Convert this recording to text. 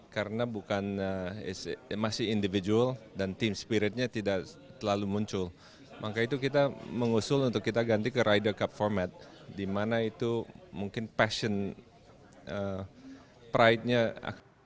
ketua igt pgm championship akan digelar pada lima tujuh september di riverside golf club cimbanggis sebogor